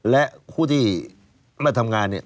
และผู้ที่ไม่ทำงานเนี่ย